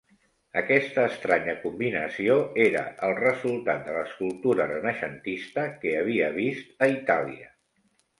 Aquesta estranya combinació era el resultat de l'escultura renaixentista que havia vist a Itàlia.